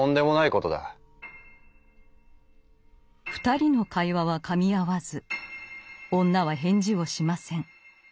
２人の会話はかみ合わず女は返事をしません。